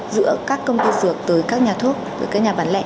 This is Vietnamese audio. giữa các công ty dược tới các nhà thuốc tới các nhà bán lệ